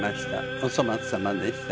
お粗末さまでした。